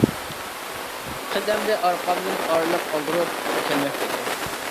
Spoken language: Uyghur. قىز ئەمدى ئارقامدىن ئارىلىق قالدۇرۇپ كەلمەكتە ئىدى.